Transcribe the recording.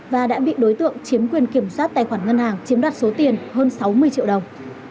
và đã bị đối tượng chiếm quyền kiểm soát tài khoản ngân hàng chiếm đoạt số tiền hơn sáu mươi triệu đồng